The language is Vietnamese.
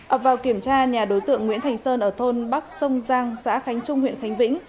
ập vào kiểm tra nhà đối tượng nguyễn thành sơn ở thôn bắc sông giang xã khánh trung huyện khánh vĩnh